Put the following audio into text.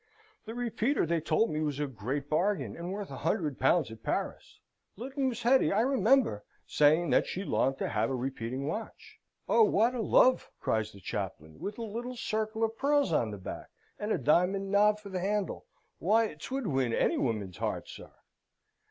"The repeater, they told me, was a great bargain, and worth a hundred pounds at Paris. Little Miss Hetty I remember saying that she longed to have a repeating watch." "Oh, what a love!" cries the chaplain, "with a little circle of pearls on the back, and a diamond knob for the handle! Why, 'twould win any woman's heart, Sir!"